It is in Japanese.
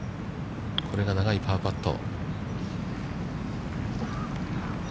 これが長いパーパット。